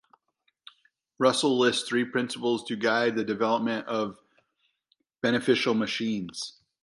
Russell lists three principles to guide the development of beneficial machines.